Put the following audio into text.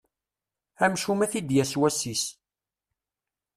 Amcum ad t-id-yas wass-is.